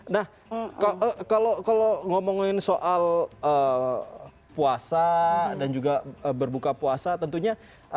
nah kalau ngomongin soal puasa dan juga berbuka puasa tentunya